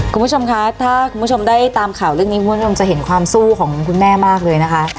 คุณผู้ชมคะถ้าคุณผู้ชมได้ตามข่าวเรื่องนี้คุณผู้ชมจะเห็นความสู้ของคุณแม่มากเลยนะคะ